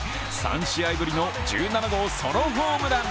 ３試合ぶりの１７号ソロホームラン。